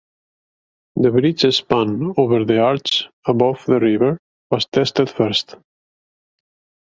The bridge span over the arch above the river was tested first.